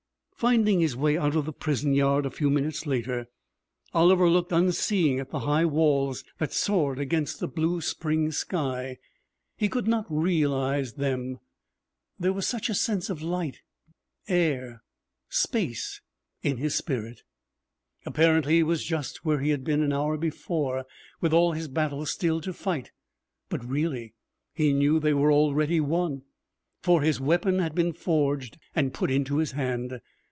Finding his way out of the prison yard a few minutes later, Oliver looked, unseeing, at the high walls that soared against the blue spring sky. He could not realize them, there was such a sense of light, air, space, in his spirit. Apparently, he was just where he had been an hour before, with all his battles still to fight, but really he knew they were already won, for his weapon had been forged and put in his hand.